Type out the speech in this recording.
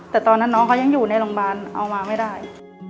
แต่ตอนนั้นน้องเขายังอยู่ในโรงพยาบาลเอามาไม่ได้